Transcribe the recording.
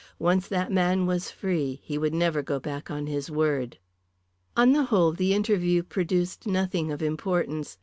Once that man was free he would never go back on his word. On the whole, the interview produced nothing of importance.